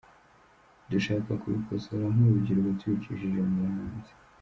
Dushaka kubikosora nk’urubyiruko tubicishije mu buhanzi”.